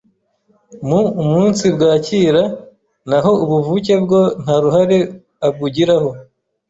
mu umunsibwakira naho ubuvuke bwo nta ruhare abugiraho